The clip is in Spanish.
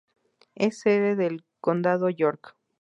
Es sede del condado York.